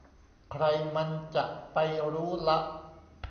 ใครมันจะไปรู้ละ